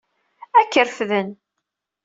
Ad k-refden.